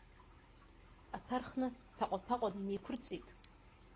Аҭәа рхны, ҭәаҟәа-ҭәаҟәаны инеиқәырҵеит.